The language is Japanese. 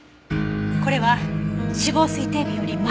これは死亡推定日より前。